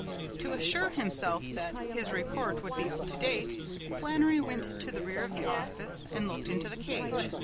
To assure himself that his report would be up to date, Flannery went to the rear of the office and looked into the cage.